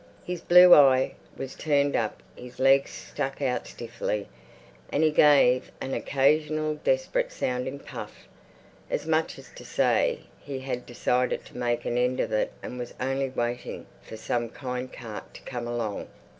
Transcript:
His blue eye was turned up, his legs stuck out stiffly, and he gave an occasional desperate sounding puff, as much as to say he had decided to make an end of it and was only waiting for some kind cart to come along.